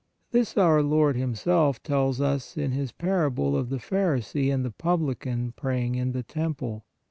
This our Lord Himself tells us in His parable of the pharisee and the publican praying in the temple.